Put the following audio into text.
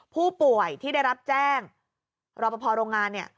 ผู้ป่วยที่ได้รับแจ้งรอบภพโรงงาน